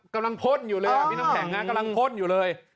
กำลังพดอยู่เลยอ่ะพี่น้ำแข็งนะกำลังพดอยู่เลย